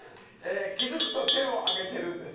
気付くと手を挙げてるんです。